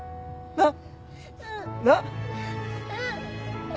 なっ。